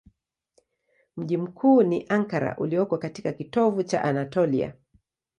Mji mkuu ni Ankara ulioko katika kitovu cha Anatolia.